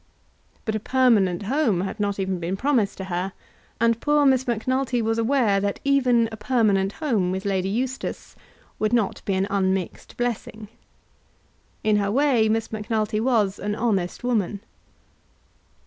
But a permanent home had not even been promised to her; and poor Miss Macnulty was aware that even a permanent home with Lady Eustace would not be an unmixed blessing. In her way, Miss Macnulty was an honest woman.